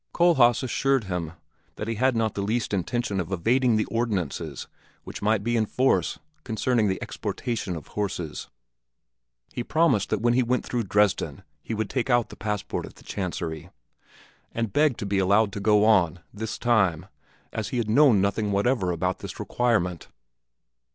Kohlhaas assured him that he had not the least intention of evading the ordinances which might be in force concerning the exportation of horses. He promised that when he went through Dresden he would take out the passport at the chancery, and begged to be allowed to go on, this time, as he had known nothing whatever about this requirement.